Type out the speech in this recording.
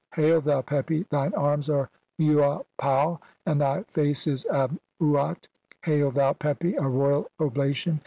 Hail, thou Pepi, thine arms are "Uapau, and thy face is Ap uat. (a.3) Hail, thou Pepi, "a royal oblation